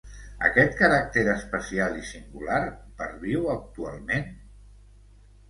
Aquest caràcter especial i singular, perviu actualment?